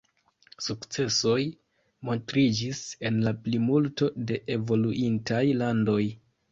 Sukcesoj montriĝis en la plimulto de evoluintaj landoj.